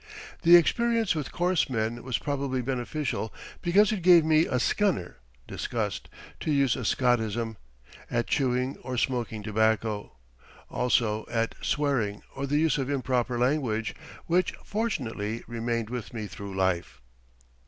The experience with coarse men was probably beneficial because it gave me a "scunner" (disgust), to use a Scotism, at chewing or smoking tobacco, also at swearing or the use of improper language, which fortunately remained with me through life.